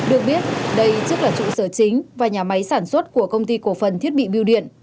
được biết đây trước là trụ sở chính và nhà máy sản xuất của công ty cổ phần thiết bị biêu điện